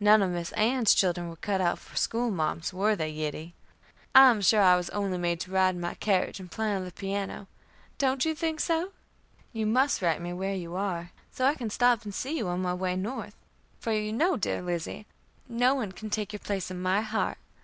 None of 'Miss Ann[e]'s' children were cut out for 'school marms,' were they, Yiddie? I am sure I was only made to ride in my carriage, and play on the piano. Don't you think so? You must write me where you are, so I can stop and see you on my way North; for you know, dear Lizzie, no one can take your place in my heart.